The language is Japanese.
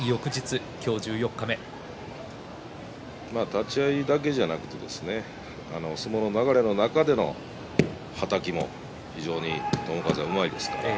立ち合いだけではなくて相撲の流れの中でもはたきも非常に友風はうまいですからね。